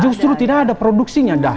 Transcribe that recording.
justru tidak ada produksinya